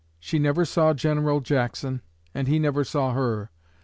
She never saw General Jackson, and he never saw her.